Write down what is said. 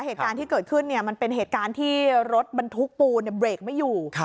เหตุการณ์ที่เกิดขึ้นมันเป็นเหตุการณ์ที่รถบรรทุกปูนเบรกไม่อยู่